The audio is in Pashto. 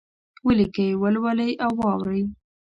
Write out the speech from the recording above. ولیکئ، ولولئ او واورئ!